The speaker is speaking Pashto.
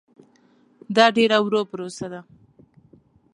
دا ډېره ورو پروسه ده.